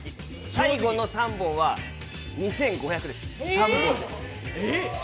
最後の３本は２５００です。